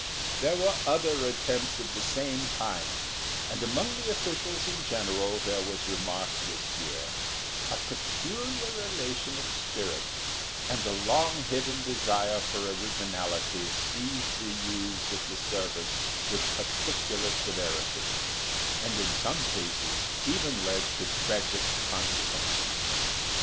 There were other attempts of the same kind, and among the officials in general there was remarked this year a peculiar elation of spirit, and a long hidden desire for originality seized the youths of the service with particular severity, and in some cases even led to tragic consequences.